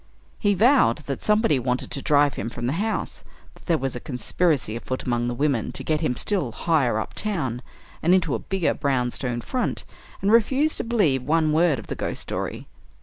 He vowed that somebody wanted to drive him from the house; that there was a conspiracy afoot among the women to get him still higher up town, and into a bigger brown stone front, and refused to believe one word of the ghost story.